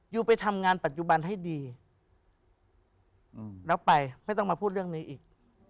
ยูไปทำงานปัจจุบันให้ดีแล้วไปไม่ต้องมาพูดเรื่องนี้อีก